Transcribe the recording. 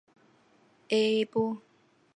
化县首届农民协会旧址的历史年代为清代。